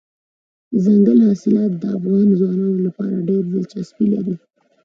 دځنګل حاصلات د افغان ځوانانو لپاره ډېره دلچسپي لري.